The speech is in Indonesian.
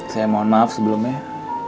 saya mohon maaf sebelumnya